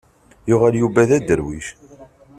Yuɣal Yuba d aderwic.